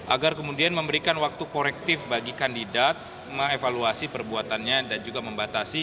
agar kemudian memberikan waktu korektif bagi kandidat mengevaluasi perbuatannya dan juga membatasi